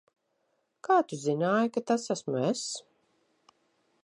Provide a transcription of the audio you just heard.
Kā tu zināji, ka tas esmu es?